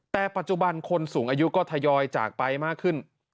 แต่ปัจจุบันคนสูงอายุก็ทยอยจากไปมากขึ้น